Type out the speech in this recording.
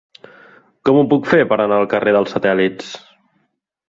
Com ho puc fer per anar al carrer dels Satèl·lits?